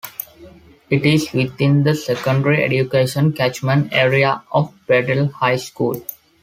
It is within the Secondary Education Catchment Area of Bedale High School.